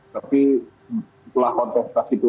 tapi setelah contestasi itu